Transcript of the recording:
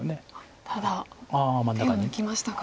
ただ手を抜きましたか。